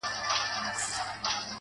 هلته د ژوند تر آخري سرحده,